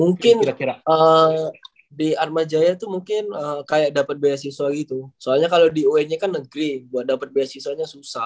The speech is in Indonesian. mungkin di atmajaya tuh mungkin kayak dapet beasiswa gitu soalnya kalo di un nya kan negeri buat dapet beasiswanya susah